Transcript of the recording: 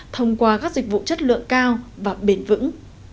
thông qua các dịch vụ chất lượng cao và bền vững